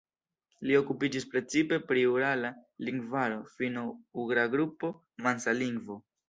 Li okupiĝis precipe pri Urala lingvaro, Finno-Ugra Grupo, Mansa lingvo.